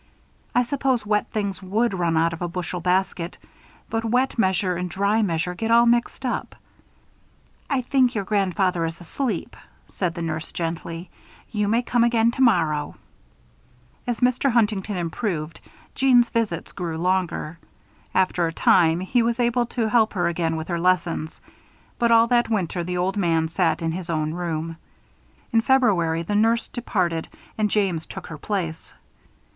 I suppose wet things would run out of a bushel basket, but wet measure and dry measure get all mixed up " "I think your grandfather is asleep," said the nurse, gently. "You may come again tomorrow." As Mr. Huntington improved, Jeanne's visits grew longer. After a time, he was able to help her again with her lessons. But all that winter, the old man sat in his own room. In February the nurse departed and James took her place.